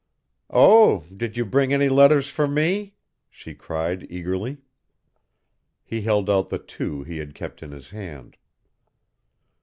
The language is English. "Oh, did you bring any letters for me?" she cried eagerly. He held out the two he had kept in his hand.